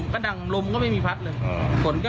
ข้างนอกพวกนั้น๒คน